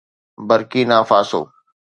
Burkina Faso